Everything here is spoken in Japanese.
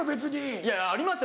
いやありますよ